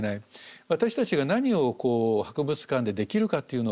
私たちが何を博物館でできるかっていうのを考えた時にはですね